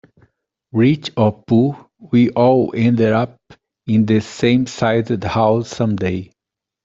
Rich or poor, we all end up in the same sized house someday.